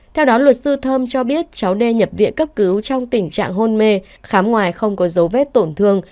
theo đó luật sư thơm cho biết cháu nê nhập viện cấp cứu trong tình trạng hôn mê khám ngoài không có dấu vết tổn thương